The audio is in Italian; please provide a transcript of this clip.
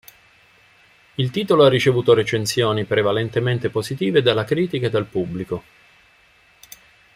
Il titolo ha ricevuto recensioni prevalentemente positive dalla critica e dal pubblico.